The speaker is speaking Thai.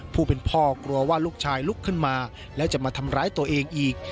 ผู้เป็นพ่อกลัวว่าลูกชายลุกขึ้นมาแล้วจะมาทำร้ายตัวเองอีก